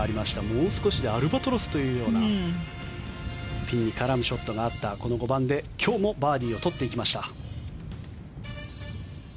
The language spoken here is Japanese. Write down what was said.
もう少しでアルバトロスというようなピンに絡むショットがあったこの５番で今日もバーディーを取っていきました。